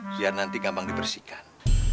biar nanti gampang dibersihkan